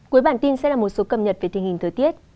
cuối bản tin sẽ là một số cập nhật về tình hình thời tiết